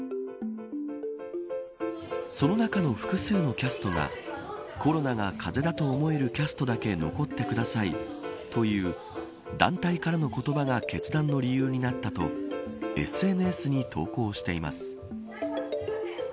その中の複数のキャストがコロナが風邪だと思えるキャストだけ残ってくださいという団体からの言葉が決断の理由になったとＳＮＳに投稿しています。